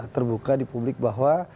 terbuka di publik bahwa